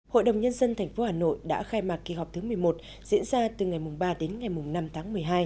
hội đồng nhân dân tp hà nội đã khai mạc kỳ họp thứ một mươi một diễn ra từ ngày ba đến ngày năm tháng một mươi hai